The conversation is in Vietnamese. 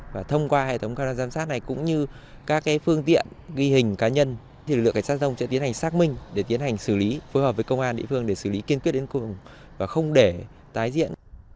và thông qua hệ thống camera giám sát này cũng như các phương tiện ghi hình cá nhân thì lực lượng cảnh sát rông sẽ tiến hành xác minh để tiến hành xử lý phối hợp với công an địa phương để xử lý kiên quyết đến cùng và không để tái diễn